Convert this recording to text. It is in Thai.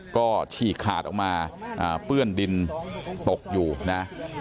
ก็ฉีกขาดออกมาเปื้อนดินตกอยู่นะ